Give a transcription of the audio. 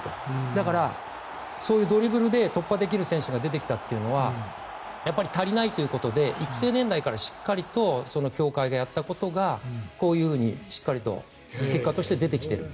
だから、そういうドリブルで突破できる選手が出てきたというのはやっぱり足りないということで育成年代からしっかりと協会がやったことがこういうふうにしっかりと結果として出てきている。